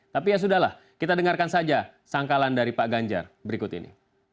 tapi ya sudah lah kita dengarkan saja sangkalan dari pak ganjar berikut ini